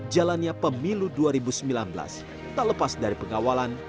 jalannya pemilu dua ribu sembilan belas tak lepas dari pengawalan